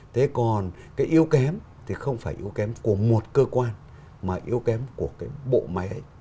thế còn cái yêu kém thì không phải yêu kém của một cơ quan mà yêu kém của cái bộ máy ấy